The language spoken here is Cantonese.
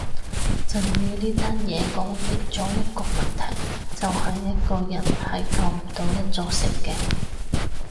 震宇呢單嘢講明咗一個問題就係一個人係救唔到一座城嘅